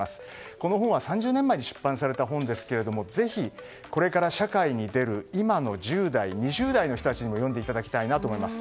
この本は３０年前に出版された本ですがこれから社会に出る１０代、２０代の人たちにも読んでいただきたいなと思います。